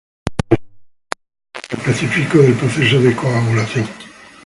Este ensayo está enfocado en un paso específico del proceso de coagulación.